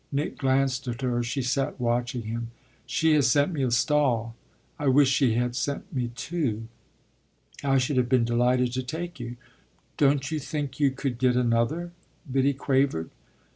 Nick glanced at her; she sat watching him. "She has sent me a stall; I wish she had sent me two. I should have been delighted to take you." "Don't you think you could get another?" Biddy quavered.